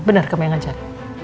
bener kamu yang ngajak